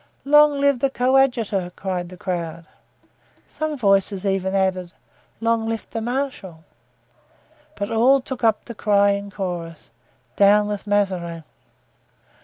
"Long live the coadjutor!" cried the crowd. Some voices even added: "Long live the marshal!" But all took up the cry in chorus: "Down with Mazarin!"